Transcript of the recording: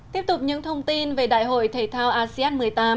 tiếp tục những thông tin về đại hội thể thao asean một mươi tám